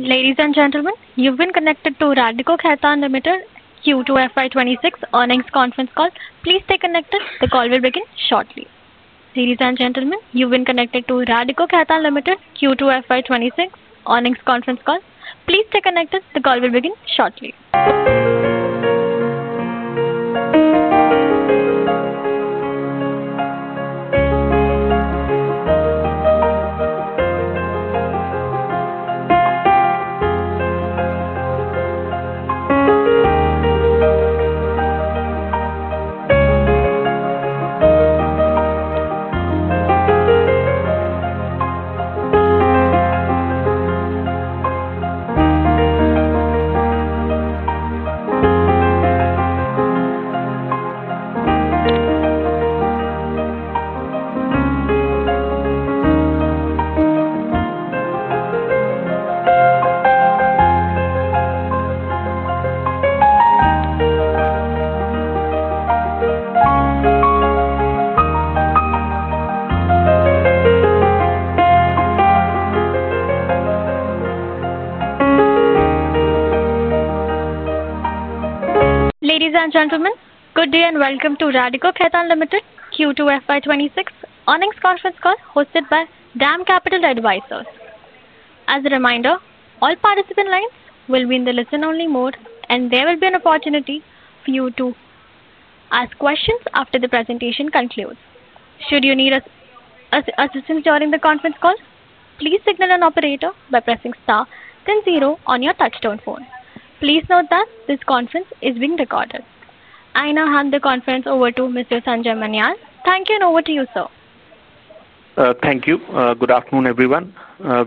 Ladies and gentlemen, you've been connected to Radico Khaitan Limited Q2 FY2026 Earnings Conference Call. Please stay connected. The call will begin shortly. Ladies and gentlemen, you've been connected to Radico Khaitan Limited Q2 FY2026 Earnings Conference Call. Please stay connected. The call will begin shortly. Ladies and gentlemen, good day and welcome to Radico Khaitan Limited Q2 FY2026 Earnings Conference Call hosted by DAM Capital Advisors. As a reminder, all participant lines will be in the listen only mode and there will be an opportunity for you to ask questions after the presentation concludes. Should you need assistance during the conference call, please signal an operator by pressing star then zero on your touch-tone phone. Please note that this conference is being recorded. I now hand the conference over to Mr. Sanjay Manian. Thank you, and over to you, sir. Thank you. Good afternoon everyone.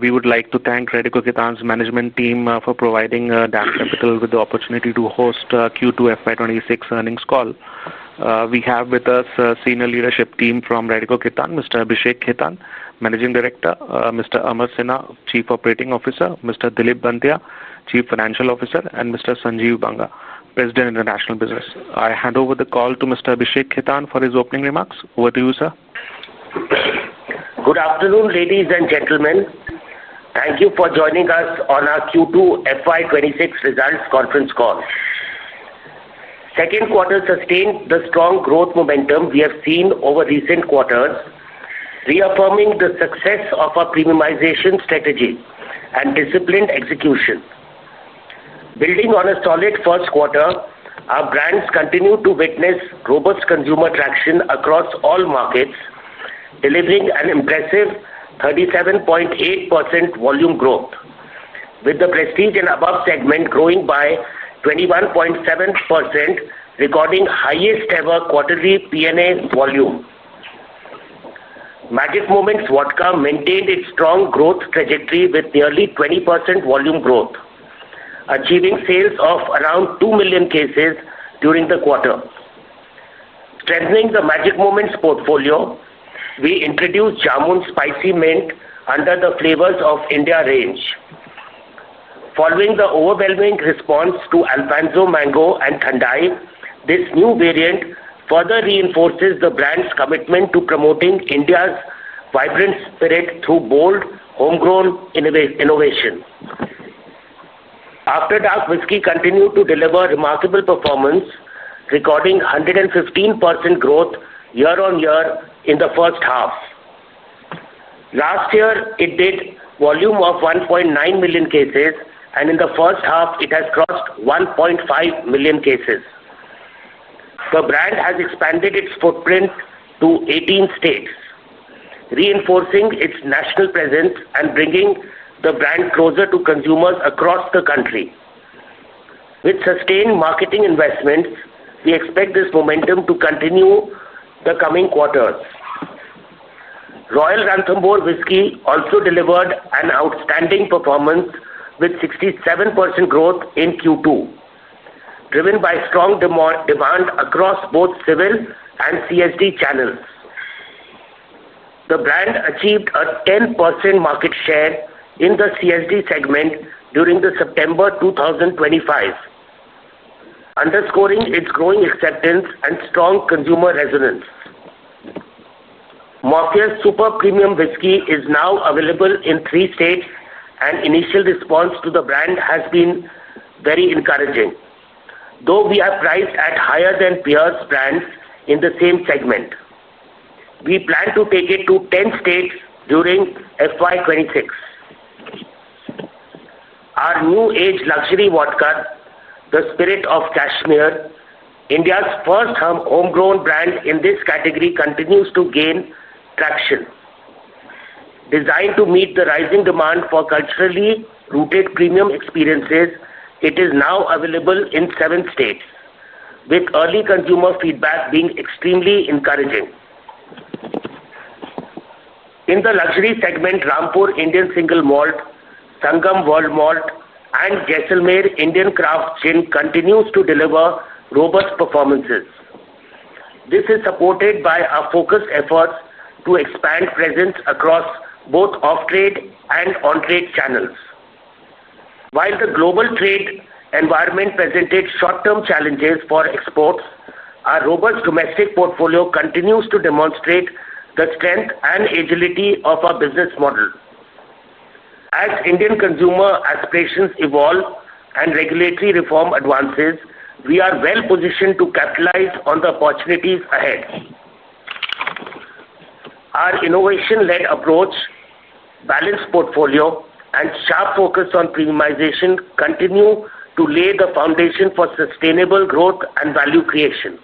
We would like to thank Radico Khaitan's management team for providing DAM Capital Advisors with the opportunity to host Q2 FY2026 earnings call. We have with us senior leadership team from Radico Khaitan, Mr. Abhishek Khaitan, Managing Director, Mr. Amar Sinha, Chief Operating Officer, Mr. Dilip Banthiya, Chief Financial Officer, and Mr. Sanjeev Banga, President, International Business. I hand over the call to Mr. Abhishek Khaitan for his opening remarks. Over to you, sir. Good afternoon ladies and gentlemen. Thank you for joining us on our Q2 FY2026 results conference call. Second quarter sustained the strong growth momentum we have seen over recent quarters, reaffirming the success of our premiumization strategy and disciplined execution. Building on a solid first quarter, our brands continue to witness robust consumer traction across all markets, delivering an impressive 37.8% volume growth with the Prestige and Above segment growing by 21.7%, recording highest ever quarterly P&A volume. Magic Moments vodka maintained its strong growth trajectory with nearly 20% volume growth, achieving sales of around 2 million cases during the quarter. Strengthening the Magic Moments portfolio, we introduced Jamun Spicy Mint under the Flavors of India range, following the overwhelming response to Alfonso Mango and Thandai. This new variant further reinforces the brand's commitment to promoting India's vibrant spirit through bold homegrown innovation. After Dark whisky continued to deliver remarkable performance, recording 115% growth year-on-year in the first half. Last year it did volume of 1.9 million cases and in the first half it has crossed 1.5 million cases. The brand has expanded its footprint to 18 states, reinforcing its national presence and bringing the brand closer to consumers across the country. With sustained marketing investments, we expect this momentum to continue the coming quarters. Royal Ranthambore whisky also delivered an outstanding performance with 67% growth in Q2 driven by strong demand across both civil and CSD channels. The brand achieved a 10% market share in the CSD segment during September 2025, underscoring its growing acceptance and strong consumer resonance. Jaisalmer Super Premium whisky is now available in three states and initial response to the brand has been very encouraging. Though we are priced at higher than peers' brands in the same segment, we plan to take it to 10 states during FY2026. Our new age luxury vodka, the Spirit of Cashmere, India's first homegrown brand in this category, continues to gain traction. Designed to meet the rising demand for culturally rooted premium experiences, it is now available in seven states with early consumer feedback being extremely encouraging. In the luxury segment, Rampur Indian Single Malt, Sangam World Malt, and Jaisalmer Indian Craft Gin continue to deliver robust performances. This is supported by our focused efforts to expand presence across both off trade and on trade channels. While the global trade environment presented short term challenges for exports, our robust domestic portfolio continues to demonstrate the strength and agility of our business model. As Indian consumer aspirations evolve and regulatory reform advances, we are well positioned to capitalize on the opportunities ahead. Our innovation led approach, balanced portfolio, and sharp focus on premiumization continue to lay the foundation for sustainable growth and value creation.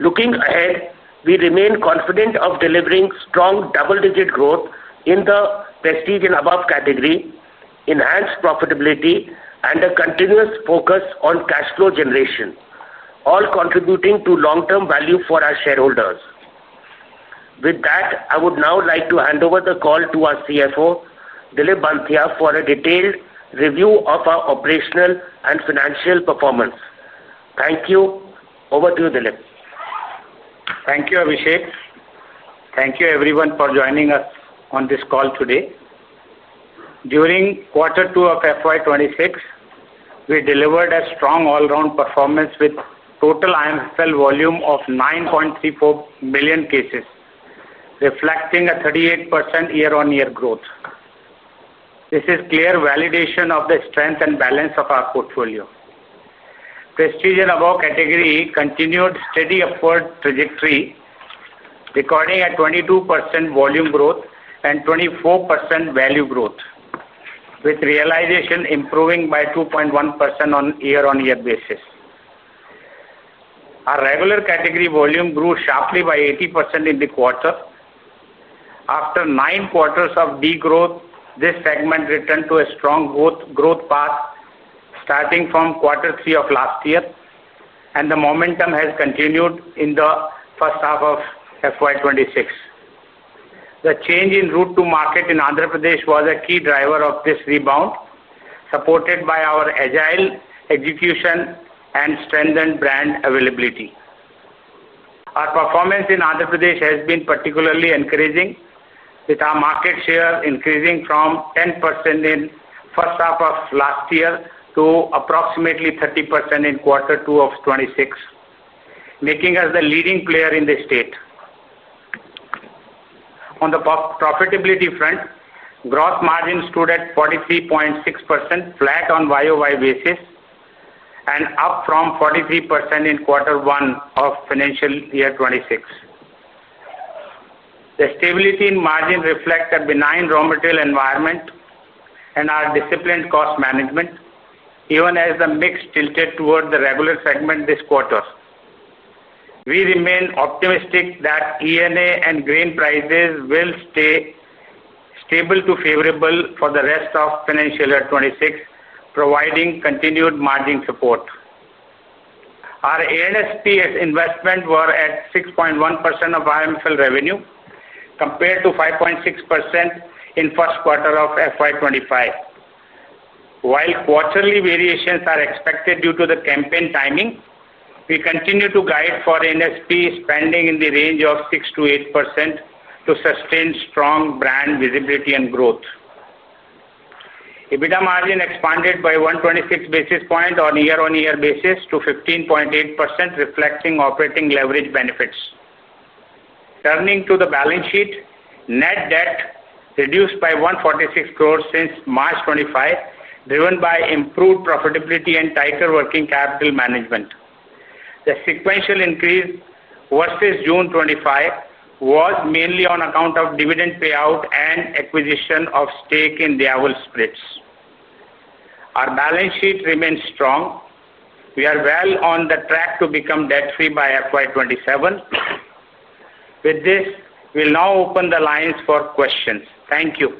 Looking ahead, we remain confident of delivering strong double digit growth in the prestige and above category. Enhanced profitability and a continuous focus on cash flow generation all contributing to long term value for our shareholders. With that I would now like to hand over the call to our CFO Dilip Banthiya for a detailed review of our operational and financial performance. Thank you. Over to you Dilip. Thank you Abhishek. Thank you everyone for joining us on this call today. During quarter two of FY2026 we delivered a strong all round performance with total IMFL volume of 9.34 million cases reflecting a 38% year-on-year growth. This is clear validation of the strength and balance of our portfolio. Prestige and above category continued steady upward trajectory recording at 22% volume growth and 24% value growth with realization improving by 2.1% on year-on-year basis. Our regular category volume grew sharply by 80% in the quarter after nine quarters of de growth. This segment returned to a strong growth path starting from quarter three of last year and the momentum has continued in the first half of FY2026. The change in route to market in Andhra Pradesh was a key driver of this rebound, supported by our agile execution and strengthened brand availability. Our performance in Andhra Pradesh has been particularly encouraging, with our market share increasing from 10% in the first half of last year to approximately 30% in quarter two of 2026, making us the leading player in the state on the profitability front. Gross margin stood at 43.6%, flat on a year-on-year basis and up from 43% in quarter one of financial year 2026. The stability in margin reflects a benign raw material environment and our disciplined cost management. Even as the mix tilted toward the regular segment this quarter, we remain optimistic that ENA and grain prices will stay stable to favorable for the rest of financial year 2026, providing continued margin support. Our AANSP investment was at 6.1% of IMFL revenue compared to 5.6% in the first quarter of FY2025. While quarterly variations are expected due to the campaign timing, we continue to guide for ANSP spending in the range of 6%-8% to sustain strong brand visibility and growth. EBITDA margin expanded by 126 basis points on a year-on-year basis to 15.8%, reflecting operating leverage benefits. Turning to the balance sheet, net debt reduced by 146 crore since March 2025, driven by improved profitability and tighter working capital management. The sequential increase versus June 2025 was mainly on account of dividend payout and acquisition of stake in D'Yavol Spirits. Our balance sheet remains strong. We are well on track to become debt free by FY2027. With this, we'll now open the lines for questions. Thank you.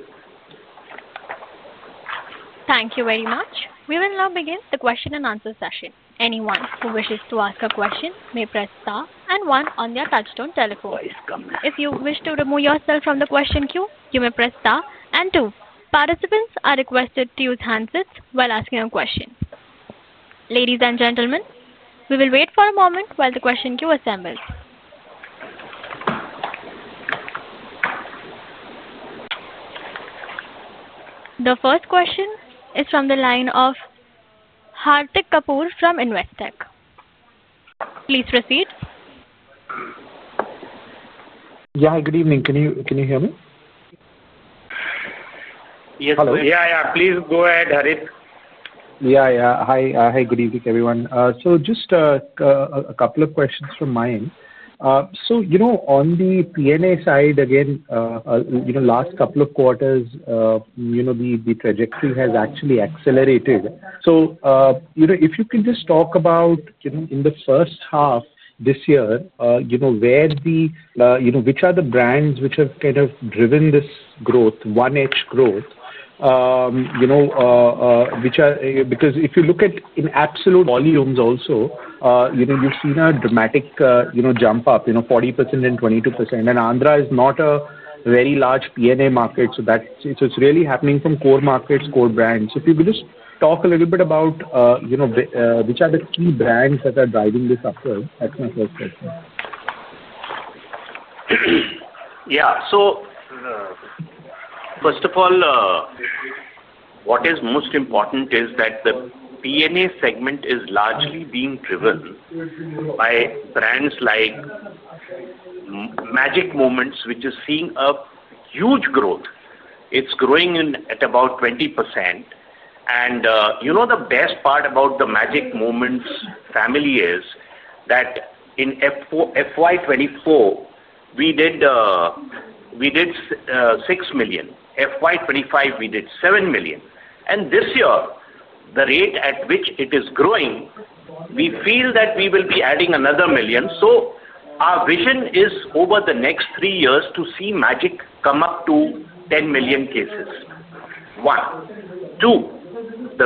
Thank you very much. We will now begin the question and answer session. Anyone who wishes to ask a question may press star and one on their touch-tone telephone. If you wish to remove yourself from the question queue, you may press star and two. Participants are requested to use handsets while asking a question. Ladies and gentlemen, we will wait for a moment while the question queue assembles. The first question is from the line of Harit Kapoor from Investec. Please proceed. Yeah, good evening. Can you hear me? Yes. Yeah, yeah. Please go ahead. Harit. Yeah. Hi. Hi. Good evening everyone. Just a couple of questions from Mayim. On the P&A side again, the last couple of quarters, the trajectory has actually accelerated. If you can just talk about in the first half this year, where the, which are the brands which have kind of driven this growth, 1 in growth, which are because if you look at in absolute volumes also, you've seen a dramatic jump up, 40% and 22%. Andhra is not a very large P&A market. That it's really happening from core markets, core brands. If you could just talk a little bit about which are the key brands that are driving this upward. That's my first question. Yeah. First of all, what is most important is that the P&A segment is largely being driven by brands like Magic Moments, which is seeing a huge growth. It's growing at about 20%. The best part about the Magic Moments family is that in FY2024, we did 6 million. FY2025, we did 7 million. This year, the rate at which it is growing, we feel that we will be adding another million. Our vision is over the next three years to see Magic come up to 10 million cases. The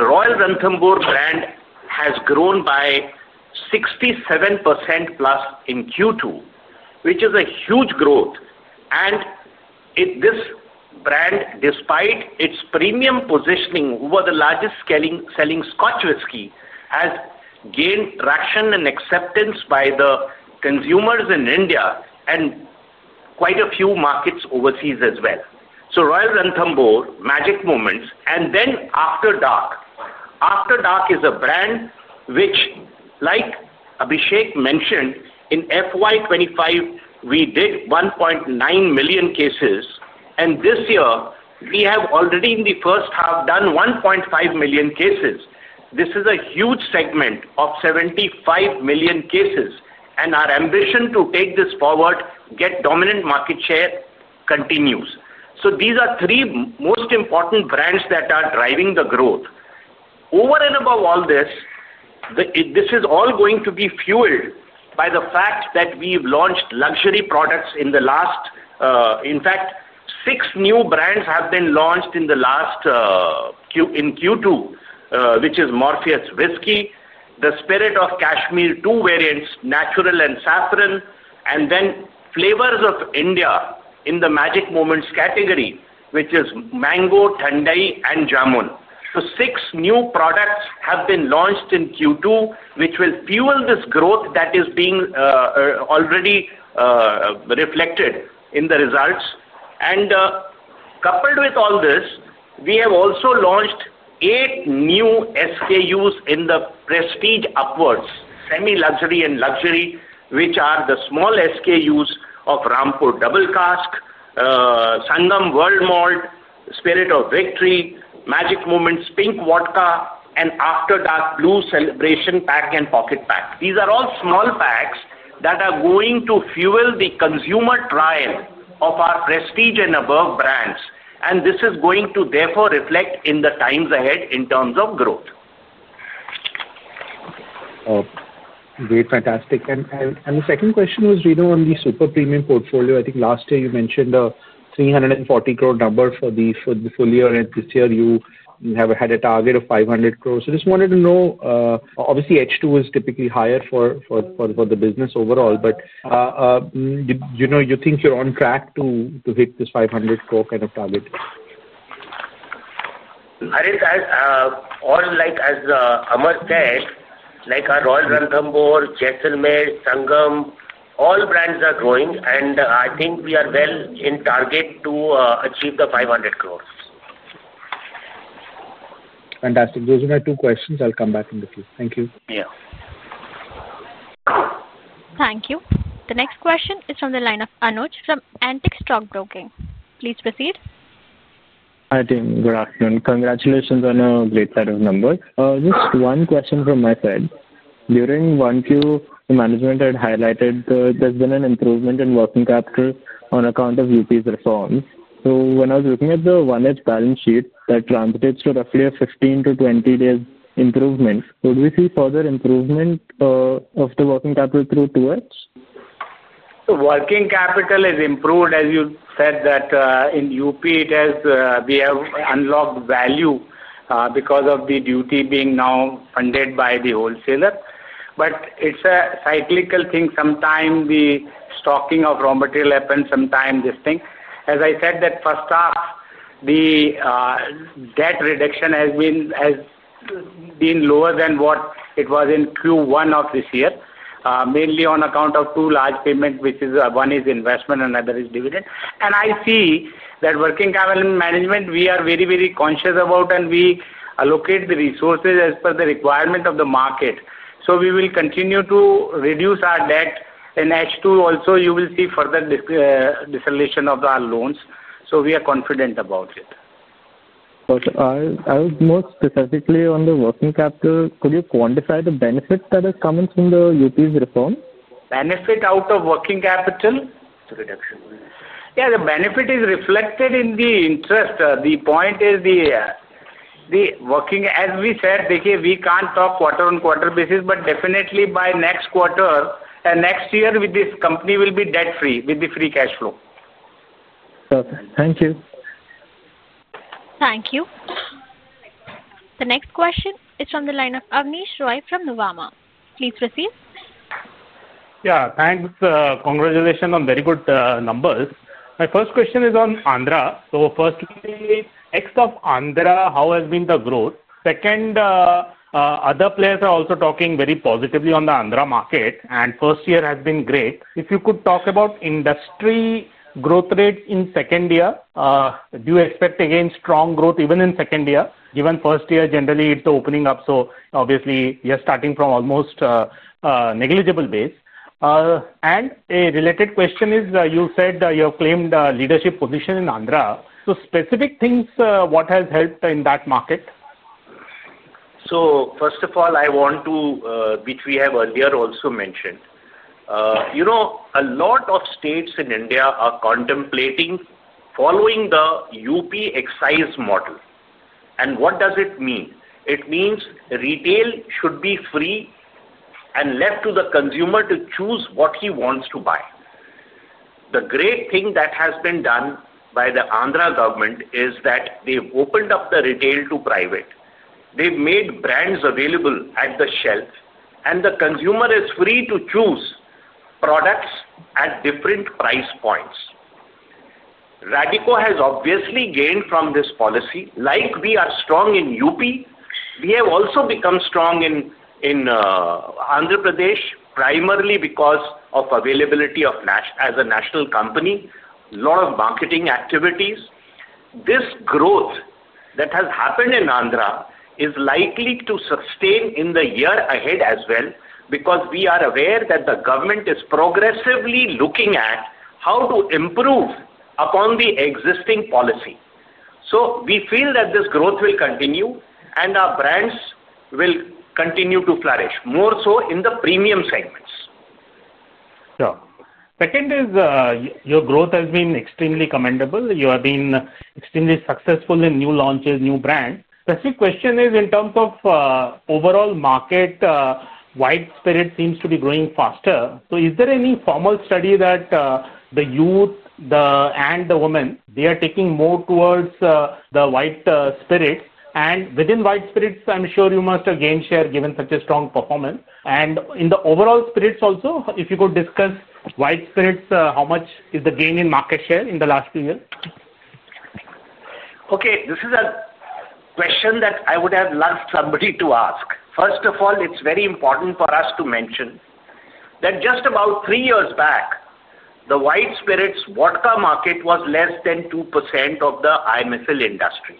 Royal Ranthambore brand has grown by 67% plus in Q2, which is a huge growth. This brand, despite its premium positioning, was the largest selling Scotch whiskey, has gained traction and acceptance by the consumers in India and quite a few markets overseas as well. Royal Ranthambore, Magic Moments and then After Dark. After Dark is a brand which, like Abhishek mentioned, in FY2025, we did 1.9 million cases. This year we have already in the first half done 1.5 million cases. This is a huge segment of 75 million cases. Our ambition to take this forward, get dominant market share continues. These are three most important brands that are driving the growth. Above all this, this is all going to be fueled by the fact that we've launched luxury products in the last. In fact, six new brands have been launched in Q2, which is Morpheus whiskey, the Spirit of Cashmere, two variants, Natural and Saffron, and then Flavors of India in the Magic Moments category, which is Mango, Thandai and Jamun. Six new products have been launched in Q2 which will fuel this growth that is already reflected in the results. Coupled with all this, we have also launched eight new SKUs in the Prestige Upwards, Semi, Luxury, and Luxury, which are the small SKUs of Rampur Double Cask, Sangam World Malt, Spirit of Victory, Magic Moments, Pink Vodka, and After Dark Blue Celebration Pack and Pocket Pack. These are all small packs that are going to fuel the consumer trial of our prestige and above brands. This is going to therefore reflect in the times ahead in terms of growth. Great, fantastic. The second question was on the super premium portfolio. I think last year you mentioned an 340 crore number for the full year and this year you had a target of 500 crores. Just wanted to know, obviously H2 is typically higher for the business overall, but do you think you're on track to hit this 500 crore kind of target? Like Amar said, our Royal Ranthambore, Jaisalmer, Sangam, all brands are growing and I think we are well in target to achieve the 500 crores. Fantastic. Those are my two questions. I'll come back in the queue. Thank you. Yeah. Thank you. The next question is from the line of Anuj from Antique Stock Broking. Please proceed. Hi team, good afternoon. Congratulations on a great set of numbers. Just one question from my side. During 1Q the management had highlighted there's been an improvement in working capital on account of Uttar Pradesh's reforms. When I was looking at the balance sheet, that translates to roughly a 15 days-20 days improvement. Would we see further improvement of the working capital? Working capital is improved. As you said, in Uttar Pradesh it has. We have unlocked value because of the duty being now funded by the wholesaler. It's a cyclical thing. Sometimes the stocking of raw material happens, sometimes this thing. As I said, the first half the debt reduction has been lower than what it was in Q1 of this year, mainly on account of two large payments, which is one is investment and the other is dividend. I see that working capital management, we are very, very conscious about, and we allocate the resources as per the requirement of the market. We will continue to reduce our debt in H2. Also, you will see further dissolution of our loans. We are confident about it. I was more specifically on the working capital. Could you quantify the benefits that is coming from the Uttar Pradesh's reform? Benefit out of working capital? Yeah, the benefit is reflected in the interest. The point is the working. As we said, we can't talk quarter on quarter basis, but definitely by next quarter and next year, this company will be debt free with the free cash flow. Thank you. Thank you. The next question is from the line of Abneesh Roy from Nuvama. Please proceed. Yeah, thanks. Congratulations on very good numbers. My first question is on Andhra. First, how has been the growth? Other players are also talking very positively on the Andhra market and first year has been great. If you could talk about industry growth rate in second year, do you expect again strong growth even in second year given first year generally it's opening up? Obviously you're starting from almost negligible base. A related question is you said you claimed leadership position in Andhra. Specific things, what has helped in that market? First of all, I want to, which we have earlier also mentioned, you know, a lot of states in India are contemplating following the UP excise model. What does it mean? It means retail should be free and left to the consumer to choose what he wants to buy. The great thing that has been done by the Andhra government is that they opened up the retail to private. They made brands available at the shelf and the consumer is free to choose products at different price points. Radico Khaitan has obviously gained from this policy. Like we are strong in UP, we have also become strong in Andhra Pradesh primarily because of availability as a national company, lot of marketing activities. This growth that has happened in Andhra is likely to sustain in the year ahead as well because we are aware that the government is progressively looking at how to improve upon the existing policy. We feel that this growth will continue and our brands will continue to flourish more so in the premium segments. Second is your growth has been extremely commendable. You have been extremely successful in new launches, new brand. Specific question is in terms of overall market, white spirit seems to be growing faster. Is there any formal study that the youth and the women, they are taking more towards the white spirit and within white spirits, I'm sure you must have gained share given such a strong performance and in the overall spirits. Also if you could discuss white spirits, how much is the gain in market share in the last few years? Okay, this is a question that I would have loved somebody to ask. First of all, it's very important for us to mention that just about three years back the white spirits vodka market was less than 2% of the IMFL industry.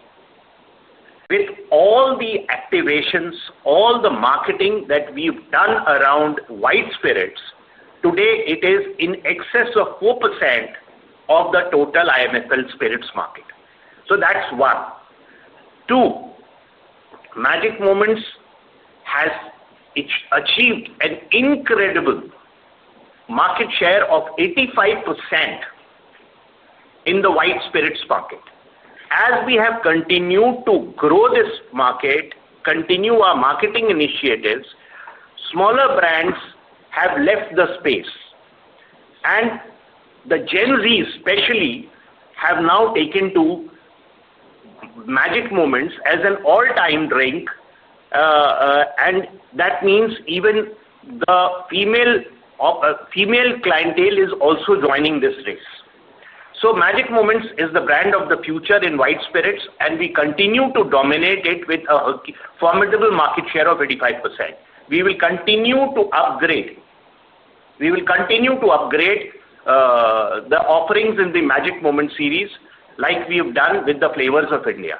With all the activations, all the marketing that we've done around white spirits, today it is in excess of 4% of the total IMFL spirits market. That's one, two. Magic Moments has achieved an incredible market share of 85% in the white spirits market. As we have continued to grow this market, continue our marketing initiatives, smaller brands have left the space and the Gen Z especially have now taken to Magic Moments as an all-time drink. That means even the female clientele is also joining this race. Magic Moments is the brand of the future in white spirits and we continue to dominate it with a formidable market share of 85%. We will continue to upgrade, we will continue to upgrade the offerings in the Magic Moments series like we have done with the Flavors of India.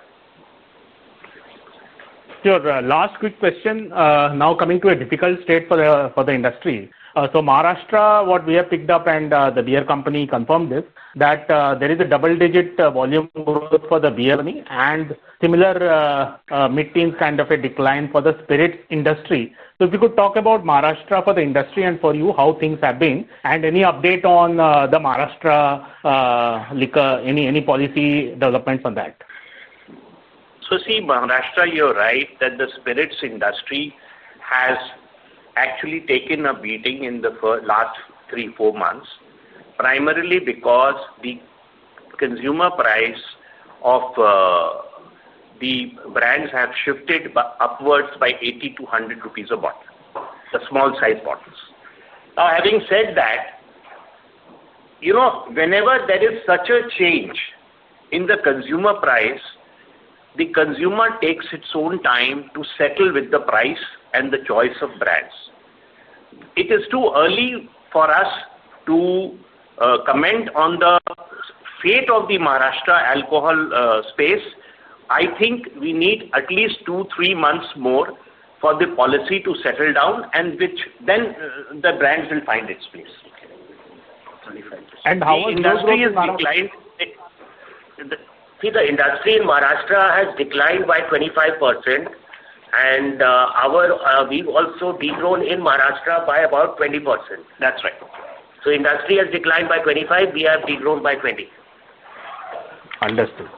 Your last quick question. Now coming to a difficult state for the industry. Maharashtra, what we have picked up and the beer company confirmed this, that there is a double-digit volume growth for the BLME and similar mid-teens kind of a decline for the spirit industry. If you could talk about Maharashtra for the industry and for you, how things have been and any update on Maharashtra, any policy development for that. Maharashtra, you're right that the spirits industry has actually taken a beating in the last three, four months, primarily because the consumer price of the brands has shifted upwards by 80-100 rupees a bottle, the small size bottle. Having said that, whenever there is such a change in the consumer price, the consumer takes its own time to settle with the price and the choice of brands. It is too early for us to comment on the fate of the Maharashtra alcohol space. I think we need at least two, three months more for the policy to settle down and then the brands will find its place and how much. The industry in Maharashtra has declined by 25% and we have also degrown in Maharashtra by about 20%. That's right. Industry has declined by 25%. We have degrown by 20%. Understood.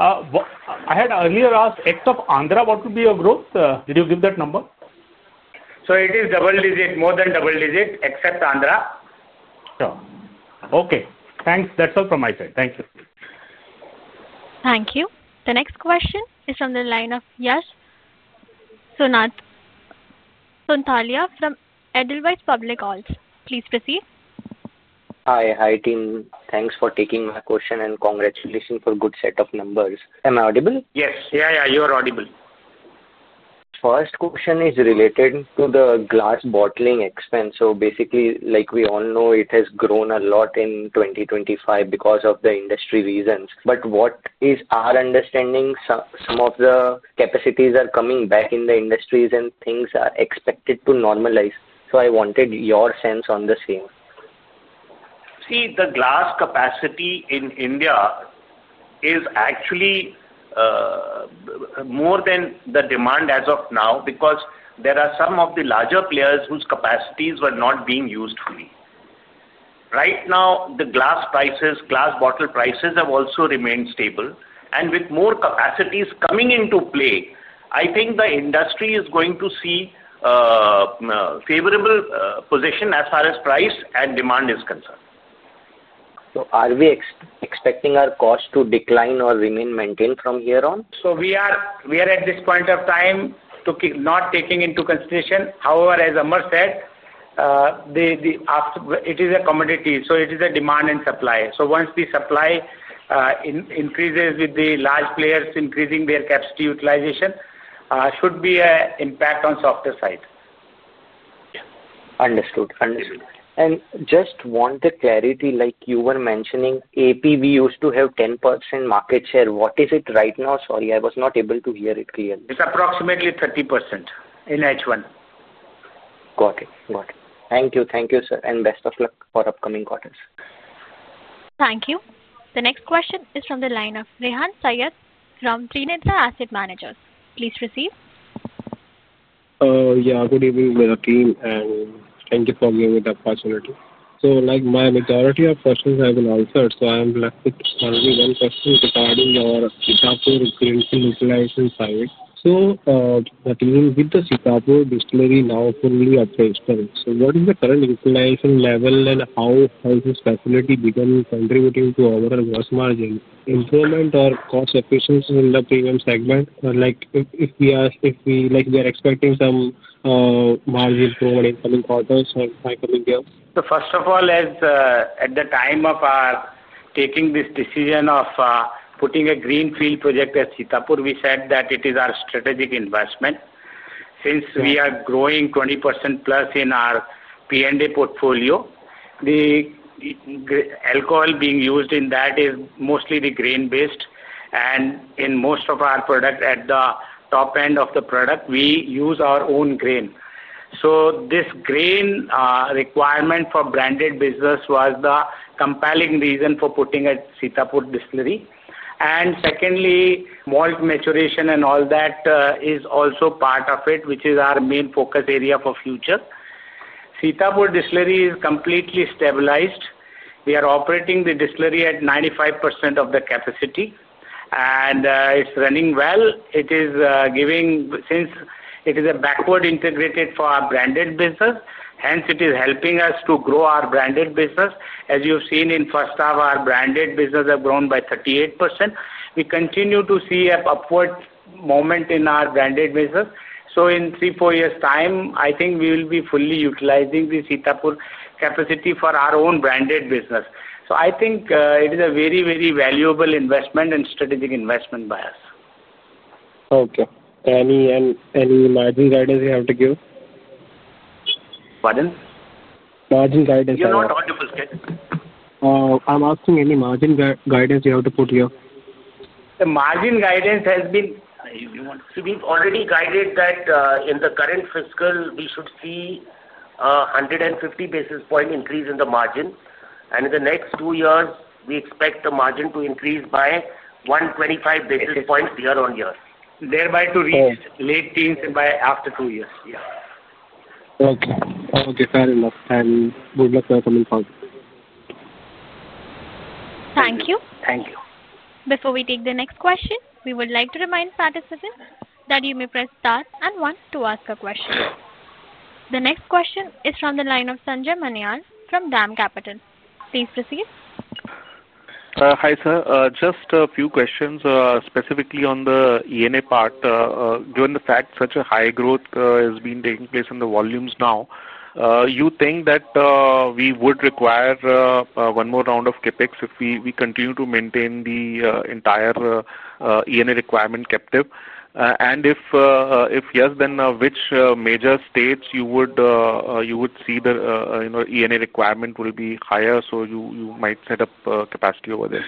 I had earlier asked ex of Andhra what would be your growth? Did you give that number? It is double-digit. More than double-digit except Andhra. Sure. Okay. Thanks. That's all from my side. Thank you. Thank you. The next question is from the line of Yash Sonthalia from Edelweiss Financial Services. Please proceed. Hi. Hi team. Thanks for taking my question and congratulations for good set of numbers. Am I audible? Yes. Yeah, you are audible. First question is related to the glass bottling expense. Basically, like we all know, it has grown a lot in 2025 because of the industry reasons. What is our understanding? Some of the capacities are coming back in the industries and things are expected to normalize. I wanted your sense on the same. See, the glass capacity in India is actually more than the demand as of now because there are some of the larger players whose capacities were not being used right now. The glass prices, glass bottle prices have also remained stable. With more capacities coming into play, I think the industry is going to see favorable position as far as price and demand is concerned. Are we expecting our cost to decline or remain maintained from here on? We are at this point of time not taking into consideration. However, as Amar said, it is a commodity, so it is a demand and supply. Once the supply increases with the large players increasing their capacity utilization, should be a impact on softer side. Understood. Just want the clarity, like you were mentioning, Andhra Pradesh, we used to have 10% market share. What is it right now? Sorry, I was not able to hear it clearly. It's approximately 30% in H1. Got it. Thank you. Thank you sir, and best of luck for upcoming quarters. Thank you. The next question is from the line of Rehan Saiyyed from Trina Asset Management. Please proceed. Yeah, good evening and thank you for giving me the opportunity. Like my majority of questions I will answer. I am left with only one question regarding your SO team with the Sitapur distillery now fully at the instance. What is the current utilization level and how has this facility become contributing to our gross margin improvement or cost efficiency in the premium segment? Like if we are expecting some margin improvement in coming quarters and by coming year. First of all, at the time of our taking this decision of putting a greenfield project at Sitapur, we said that it is our strategic investment. Since we are growing 20%+ in our P&A portfolio, the alcohol being used in that is mostly the grain based and in most of our product at the top end of the product we use our own grain. This grain requirement for branded business was the compelling reason for putting at Sitapur distillery. Secondly, malt maturation and all that is also part of it which is our main focus area for future. Sitapur distillery is completely stabilized. We are operating the distillery at 95% of the capacity and it's running well. Since it is a backward integrated for our branded business, it is helping us to grow our branded business. As you've seen in first half, our branded business have grown by 38%. We continue to see an upward moment in our branded business. In three, four years time I think we will be fully utilizing the Sitapur capacity for our own branded business. I think it is a very, very valuable investment and strategic investment by us. Okay, any and any margin guidance you have to give. Pardon? Margin guidance? I'm asking any margin guidance you have to put here. The margin guidance has been. We've already guided that in the current fiscal we should see 150 basis point increase in the margin. In the next two years we expect the margin to increase by 125 basis points year on year thereby to reach late teens after two years. Yeah, okay. Okay. Fair enough and good luck. Thank you. Thank you. Before we take the next question, we would like to remind participants that you may press star and one to ask a question. The next question is from the line of Sanjay Manian from DAM Capital Advisors. Please proceed. Hi sir, just a few questions specifically on the ENA part. Given the fact such a high growth has been taking place in the volumes, now you think that we would require one more round of CapEx if we continue to maintain the entire ENA requirement captive, and if yes, then which major states you would see the ENA requirement will be higher so you might set up capacity over there.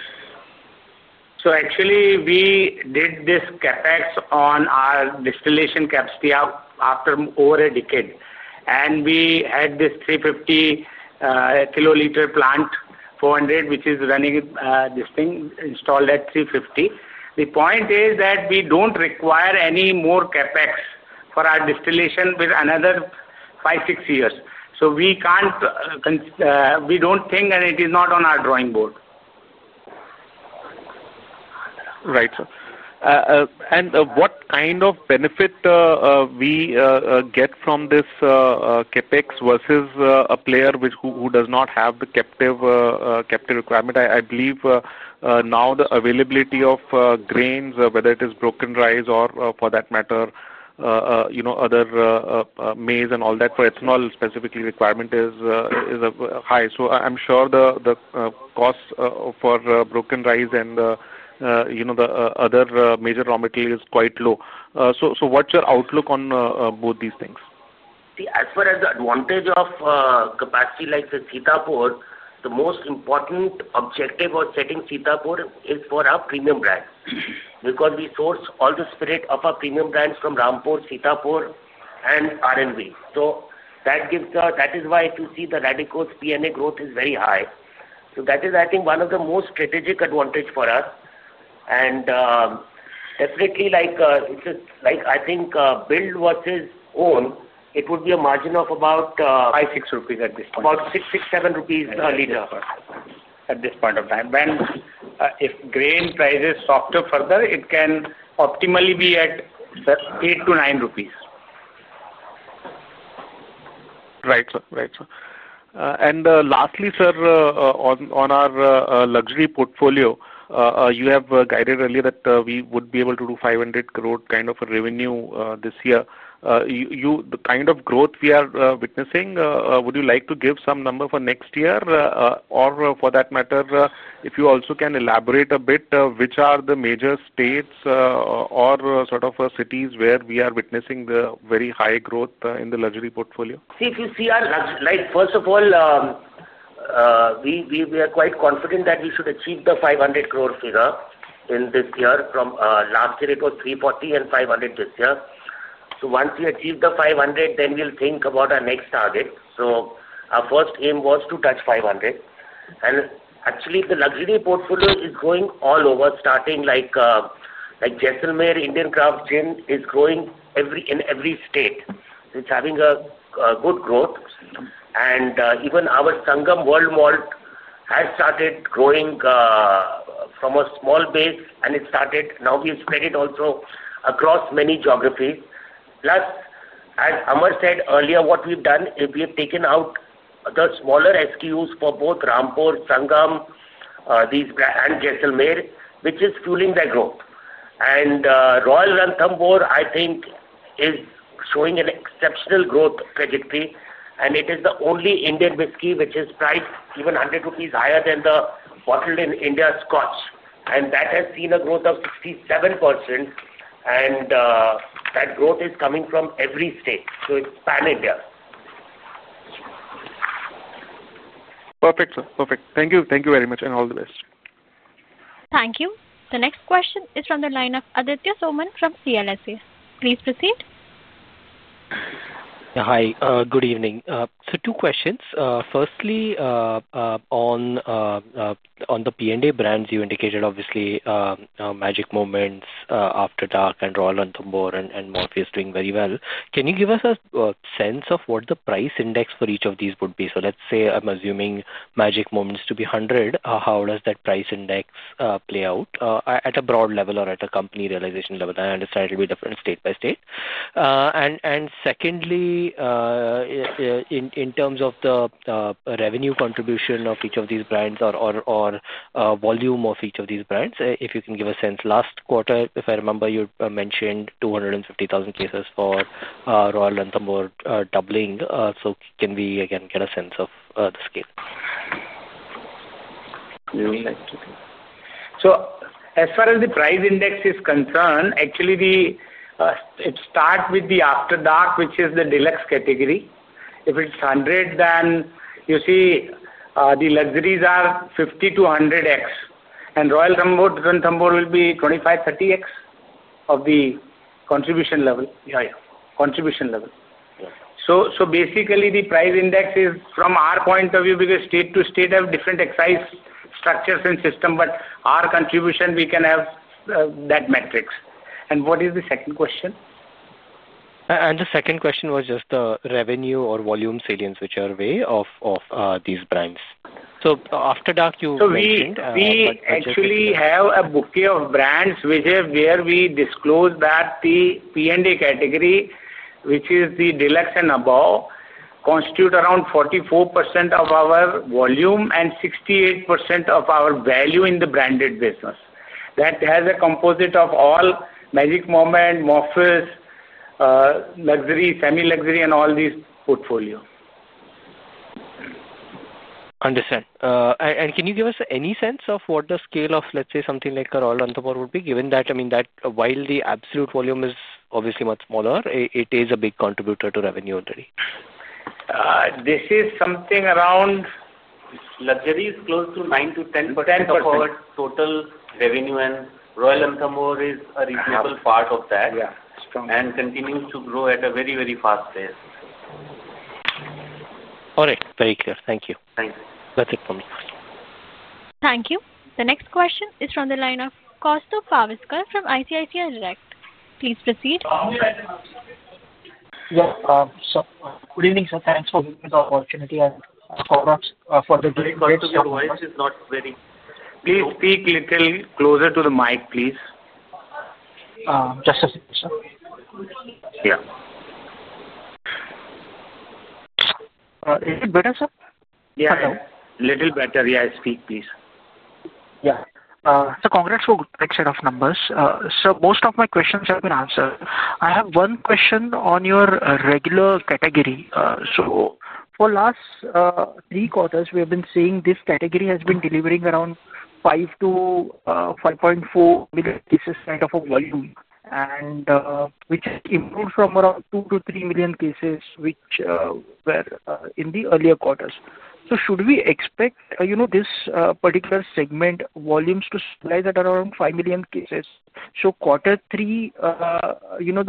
Actually, we did this CapEx on our distillation capacity after over a decade and we had this 350 kL plant, 400 which is running, this thing installed at 350. The point is that we don't require any more CapEx for our distillation for another five, six years. We don't think and it is not on our drawing board. Right. What kind of benefit we get from this CapEx versus a player who does not have the captive requirement, I believe now the availability of grains, whether it is broken rice or for that matter, you know, other maize and all that for ethanol specifically, requirement is high. I'm sure the cost for broken rice and, you know, the other major raw material is quite low. What's your outlook on both these things as far as the advantage of capacity like Sitapur? The most important objective of setting Sitapur is for our premium brands because we source all the spirit of our premium brands from Rampur, Sitapur, and RNV. That is why if you see the Radico Khaitan's ENA growth is very high. That is, I think, one of the most strategic advantages for us. Definitely, like I think build versus own, it would be a margin of about 56 rupees at this point, about 67 rupees a liter at this point of time. If grain price is softer further, it can optimally be at 8-9 rupees. Right sir? Right sir. Lastly sir, on our luxury portfolio, you have guided earlier that we would be able to do 500 crore kind of a revenue this year. The kind of growth we are witnessing, would you like to give some number for next year or, for that matter, if you also can elaborate a bit which are the major states or sort of cities where we are witnessing the very high growth in the luxury portfolio. See, if you see our, like first of all, we are quite confident that we should achieve the 500 crore figure in this year. From last year it was 340 crore and 500 crore this year. Once we achieve the 500 crore, then we'll think about our next target. Our first aim was to touch 500 crore and actually the luxury portfolio is going all over, starting like Jaisalmer. Indian craft gin is growing in every state. It's having a good growth. Even our Sangam World Malt has started growing from a small base and it started, now we have spread it also across many geographies. Plus, as Amar said earlier, what we've done is we have taken out the smaller SKUs for both Rampur, Sangam, and Jaisalmer, which is fueling their growth. Royal Ranthambore, I think, is showing an exceptional growth. It is the only Indian whiskey which is priced even 100 rupees higher than the bottled in India Scotch, and that has seen a growth of 67%, and that growth is coming from every state. It's Pan India. Perfect sir, perfect. Thank you. Thank you very much and all the best. Thank you. The next question is from the line of Aditya Soman from CLSA. Please proceed. Hi, good evening. Two questions. Firstly, on the P&A brands, you indicated obviously Magic Moments, After Dark, and Royal Ranthambore and Morpheus doing very well. Can you give us a sense of what the price index for each of these would be? Let's say I'm assuming Magic Moments to be 100. How does that price index play out at a broad level or at a company realization level? I understand it will be different state by state. Secondly, in terms of the revenue contribution of each of these brands or volume of each of these brands, if you can give a sense, last quarter, if I remember, you mentioned 250,000 cases for Royal Ranthambore doubling. Can we again get a sense of the scale? As far as the price index is concerned, actually, it starts with the After Dark, which is the deluxe category. If it's 100, then you see the luxuries are 50-100x, and Royal Ranthambore will be 25-30x of the contribution level. Basically, the price index is from our point of view because state to state have different excise structures and system, but our contribution, we can have that metrics. What is the second question? The second question was just the revenue or volume salience, which are way of these brands. After Dark, you mentioned we actually have a bouquet of brands, Vijay, where we disclose that the P&A category, which is the deluxe and above, constitute around 44% of our volume and 68% of our value in the branded business. That has a composite of all Magic Moments, Morpheus, luxury, semi-luxury, and all these portfolio. Understand, and can you give us any sense of what the scale of, let's say, something like Royal Ranthambore would be given that? I mean, while the absolute volume is obviously much smaller, it is a big contributor to revenue already. This is something around luxury is close to 9%-10% of our total revenue, and Royal Ranthambore is a reasonable part of that and continues to grow at a very, very fast pace. All right, very clear. Thank you. That's it for me. Thank you. The next question is from the line of Kaustubh of ICICI Securities. Please proceed. Good evening sir. Thanks for the opportunity. Your voice is not very clear. Please speak a little closer to the mic please. Just a second. Yeah. Is it better sir? Yeah, little better. Yeah. Speak please. Yeah. So congrats for set of numbers. Most of my questions have been answered. I have one question on your regular category. For the last three quarters we have been seeing this category has been delivering around 5-5.4 million cases kind of a volume, which improved from around 2-3 million cases which were in the earlier quarters. Should we expect this particular segment volumes to stabilize at around 5 million cases, so quarter three,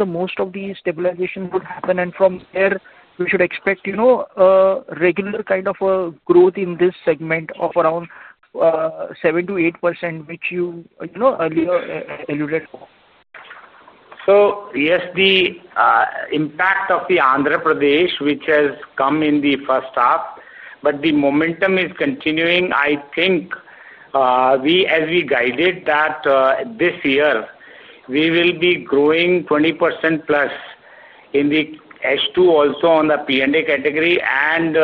most of this stabilization would happen and from there we should expect regular kind of a growth in this segment of around 7-8% which you alluded for. Yes, the impact of the Andhra Pradesh which has come in the first half but the momentum is continuing. I think as we guided that this year we will be growing 20% plus in the H2 also on the P&A category and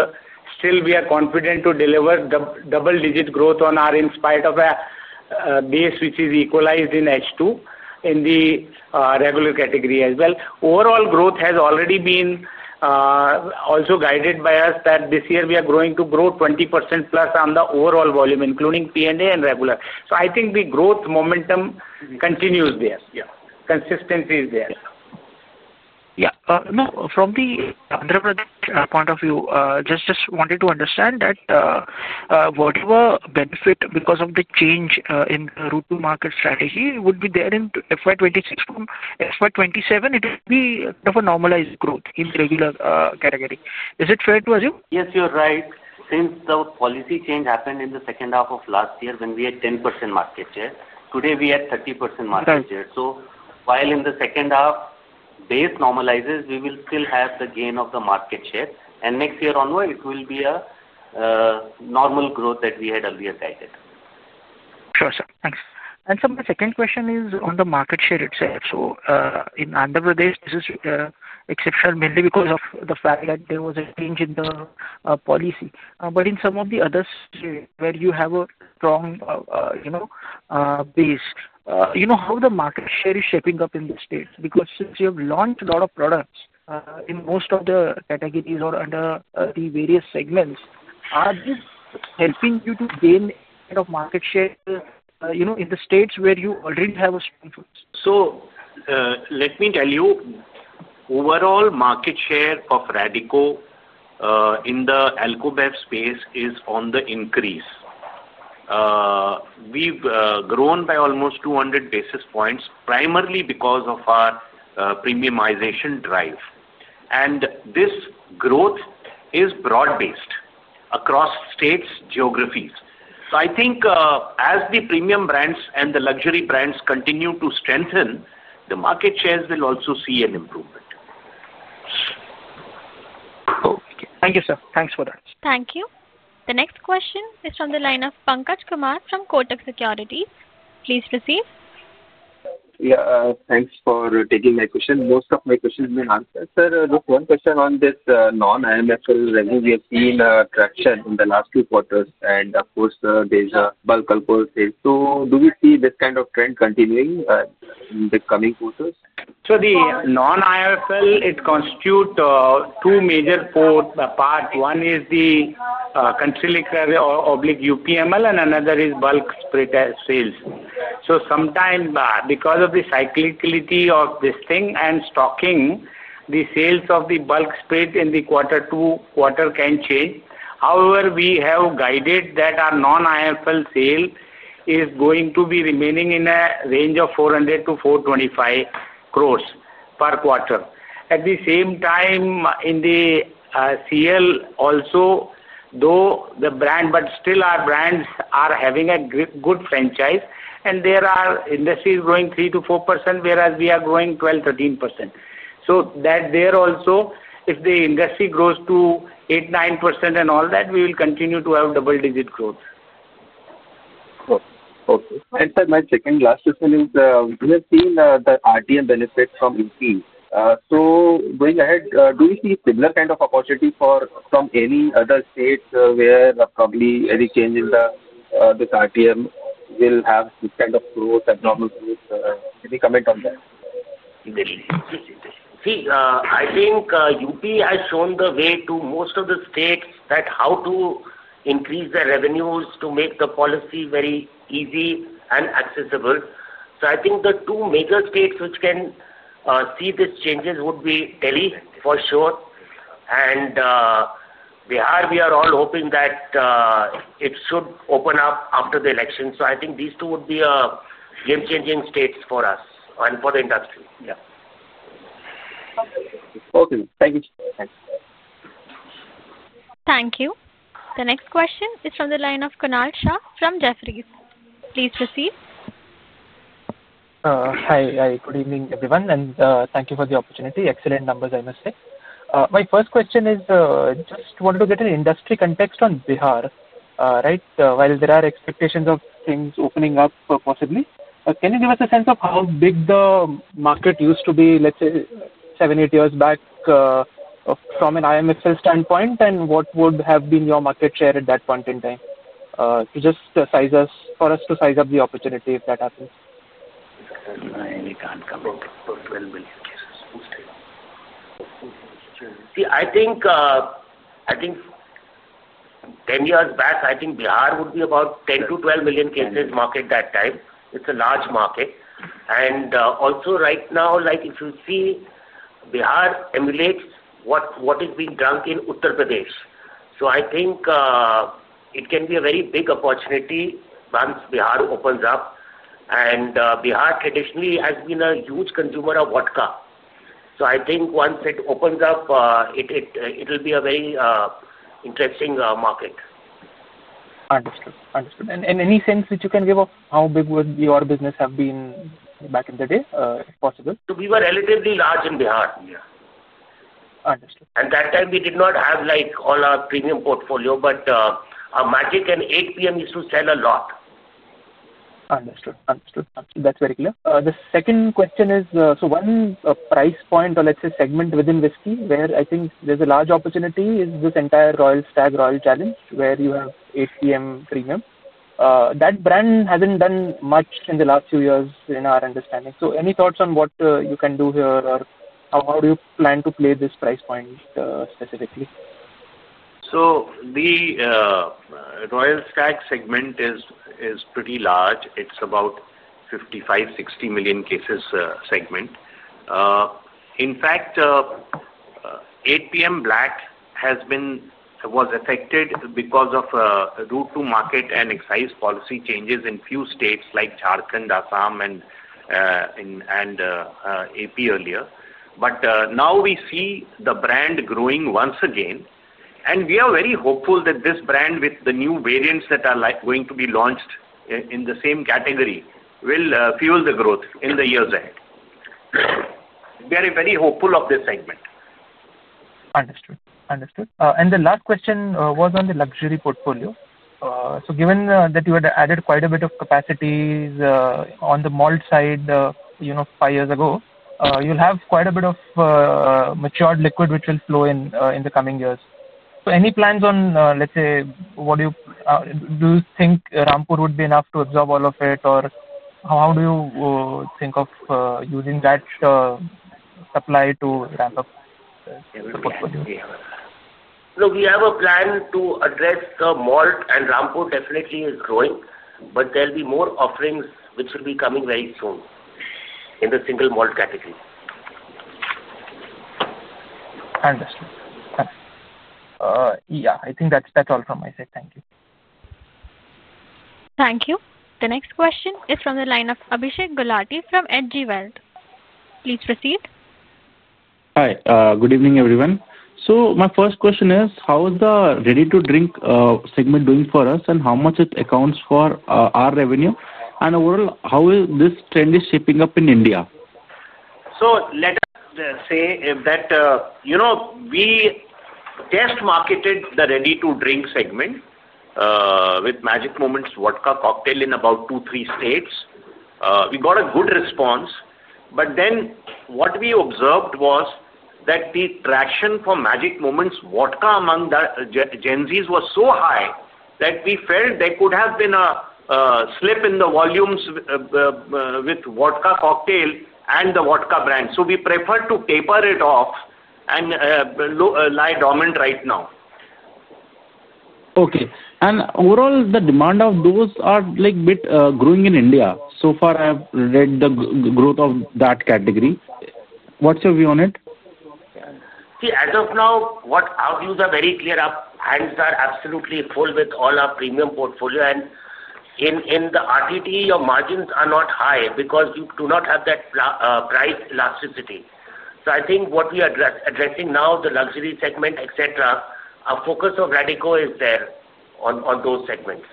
still we are confident to deliver double digit growth on R in spite of a base which is equalized in H2 in the regular category as well. Overall growth has already been also guided by us that this year we are going to grow 20% plus on the overall volume including P&A and regular. I think the growth momentum continues there. Yeah, consistency is there. No, from the point of view just wanted to understand that whatever benefit because of the change in route to market strategy would be there in FY26, from FY27 it would be a normalized growth in regular category. Is it fair to assume? Yes, you're right since the policy change happened in the second half of last year when we had 10% market share, today we had 30% market share. While in the second half base normalizes, we will still have the gain of the market share. Next year onward it will be a normal growth that we had earlier guided. Sure sir. Thanks. My second question is on the market share itself. In Andhra Pradesh this is exceptional mainly because of the fact that there was a change in the policy. In some of the others where you have a strong base, how is the market share shaping up in the states? Since you have launched a lot of products in most of the categories or under the various segments, is this helping you to gain market share in the states where you already have a presence? Let me tell you, overall market share of Radico Khaitan in the Alcobev space is on the increase. We've grown by almost 200 basis points primarily because of our premiumization drive. This growth is broad based across states and geographies. I think as the premium brands and the luxury brands continue to strengthen, the market shares will also see an improvement. Thank you sir. Thanks for that. Thank you. The next question is from the line of Pankaj Kumar from Kotak Securities. Please proceed. Yeah, thanks for taking my question. Most of my questions been answered. Sir, just one question on this non IMFL revenue. We have seen traction in the last few quarters and of course there's a bulk almost. Do we see this kind of trend continuing in the coming quarters? The non IMFL, it constitutes two major parts. One is the country liquor oblique UPML and another is bulk spirit sales. Sometimes because of the cyclicality of this thing and stocking, the sales of the bulk spirits in the quarter to quarter can change. However, we have guided that our non IMFL sale is going to be remaining in a range of 400-425 crores per quarter. At the same time, in the CL also, though the brand, still our brands are having a good franchise and the industry is growing 3-4% whereas we are growing 12-13%. If the industry grows to 8, 9% and all that, we will continue to have double-digit growth. Okay. Sir, my second last question is we have seen the RTM benefit from UP. Going ahead, do you see similar kind of opportunity from any other states where probably any change in this RTM will have this kind of growth, abnormal growth? Maybe comment on that. I think UP has shown the way to most of the states on how to increase the revenues to make the policy very easy and accessible. The two major states which can see these changes would be Delhi for sure and Bihar. We are also all hoping that it should open up after the election. I think these two would be game-changing states for us and for the industry. Yeah. Okay, thank you. Thank you. The next question is from the line of Kunal Shah from Jefferies. Please proceed. Hi, good evening everyone and thank you for the opportunity. Excellent numbers I must say. My first question is just wanted to get an industry context on Bihar. Right. While there are expectations of things opening up possibly, can you give us a sense of how big the market used to be, let's say seven, eight years back from an IMFL standpoint and what would have been your market share at that point in time? Just size us for us to size up the opportunity if that happens. I think 10 years back Bihar would be about 10-12 million cases market that time. It's a large market. Also, right now if you see Bihar emulates what is being drunk in Uttar Pradesh. I think it can be a very big opportunity once Bihar opens up. Bihar traditionally has been a huge consumer of vodka. I think once it opens up it will be a very interesting market. Understood. Any sense that you can give of how big would your business have been back in the day if possible? We were relatively large in Bihar at that time. We did not have all our premium portfolio but our Magic Moments and 8PM used to sell a lot. Understood, understood. That's very clear. The second question is, one price point or let's say segment within whiskey where I think there's a large opportunity is this entire Royal Stag, Royal Challenge where you have 8PM Premium. That brand hasn't done much in the last few years in our understanding. Any thoughts on what you can do here or how do you plan to play this price point specifically? The Royal Stag segment is pretty large. It's about 55-60 million cases segment. In fact, 8PM Black was affected because of route to market and excise policy changes in a few states like Jharkhand, Assam, and Andhra Pradesh earlier. Now we see the brand growing once again and we are very hopeful that this brand with the new variants that are going to be launched in the same category will fuel the growth in the years ahead. Very, very hopeful of this segment. Understood, understood. The last question was on the luxury portfolio. Given that you had added quite a bit of capacity on the malt side, five years ago you'll have quite a bit of matured liquid which will flow in in the coming years. Any plans on what do you, do you think Rampur would be enough to absorb all of it or how do you think of using that supply to ramp up? Look, we have a plan to address the malt and Rampur definitely is growing but there'll be more offerings which will be coming very soon in the single malt category. I think that's all from my side. Thank you. Thank you. The next question is from the line of Abhishek Gulati from Edge Wealth. Please proceed. Hi, good evening everyone. My first question is how is the Ready to Drink segment doing for us and how much it accounts for our revenue and overall how this trend is shaping up in India. Let us say that we test marketed the Ready to Drink segment with Magic Moments vodka cocktail in about two, three states. We got a good response. What we observed was that the traction for Magic Moments vodka among the Gen Z was so high that we felt there could have been a slip in the volumes with vodka cocktail and the vodka brand. We prefer to taper it off and lie dormant right now. Overall, the demand of those are like bit growing in India. So far I have read the growth of that category. What's your view on it? See, as of now what our views are very clear. Our hands are absolutely full with all our premium portfolio. In the RTD your margins are not high because you do not have that price elasticity. I think what we are addressing now, the luxury segment, et cetera, our focus of Radico is there on those segments.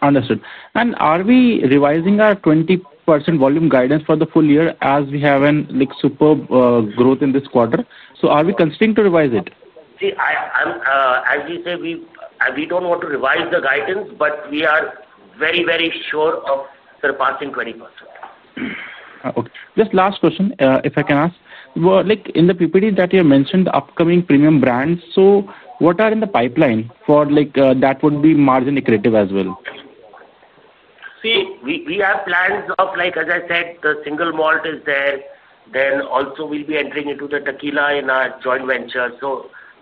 Understood. Are we revising our 20% volume guidance for the full year as we have a superb growth in this quarter. Are we considering to revise it? See, as we say we don't want to revise the guidance but we are very very sure of surpassing 20%. Just last question if I can ask, in the people that you mentioned upcoming premium brands. What are in the pipeline for like that would be margin accretive as well. See, we have plans of like as I said the single malt is there. Then also we'll be entering into the tequila in our joint ventures.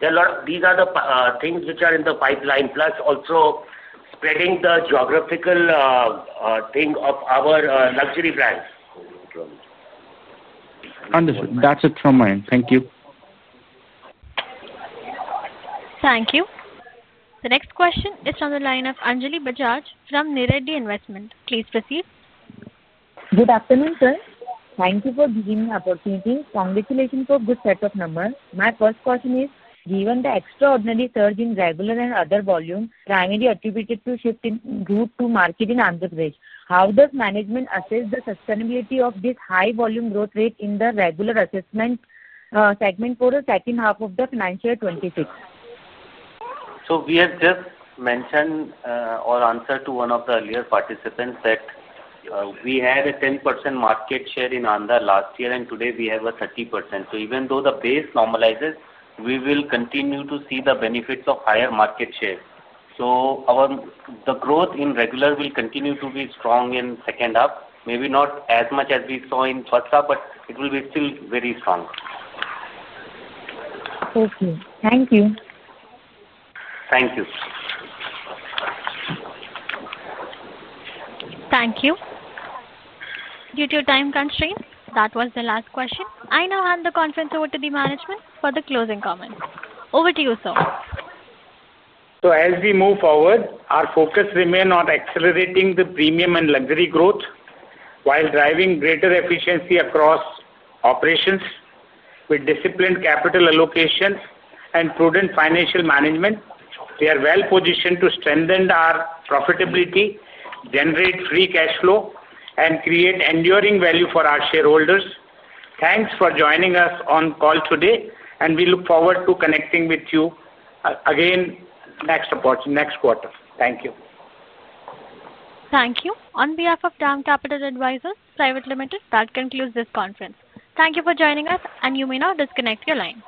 These are the things which are in the pipeline plus also spreading the geographical thing of our luxury brand life. Understood. That's it from mine. Thank you. Thank you. The next question is from the line of Anjali Bajaj from N. D. Investment. Please proceed. Good afternoon sir. Thank you for giving me the opportunity. Congratulations for good set of numbers. My first question is given the extraordinary surge in regular and other volume primarily. Attributed to shift in route to market. In Andhra Pradesh, how does management assess the sustainability of this high volume growth rate in the regular assessment segment for the second half of the financial year 2026? We have just mentioned or answered to one of the earlier participants that we had a 10% market share in Andhra Pradesh last year and today we have a 30%. Even though the base normalizes, we will continue to see the benefits of higher market share. The growth in regular will continue to be strong in the second half, maybe not as much as we saw in the first half, but it will be still very strong. Thank you. Thank you. Thank you. Due to time constraint, that was the last question. I now hand the conference over to the management for the closing comments. Over to you, sir. As we move forward, our focus remains on accelerating the premium and luxury growth while driving greater efficiency across operations. With disciplined capital allocation and prudent financial management, we are well positioned to strengthen our profitability, generate free cash flow, and create enduring value for our shareholders. Thanks for joining us on the call today, and we look forward to connecting with you again next quarter. Thank you. Thank you. On behalf of DAM Capital Advisors Private Limited, that concludes this conference. Thank you for joining us and you may now disconnect your line.